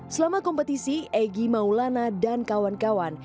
selama kompetisi egy maulana dan kawan kawan